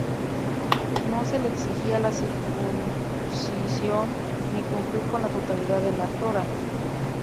No se les exigía la circuncisión ni cumplir con la totalidad de la Torá.